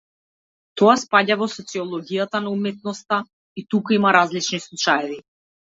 Тоа спаѓа во социологијата на уметноста и тука има различни случаи.